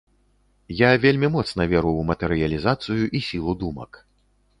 Я вельмі моцна веру ў матэрыялізацыю і сілу думак.